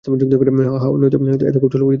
হ্যাঁ, নয়তো এত কৌশল কীসের জন্য ছিল?